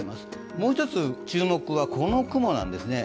もう一つ注目は、この雲なんですね。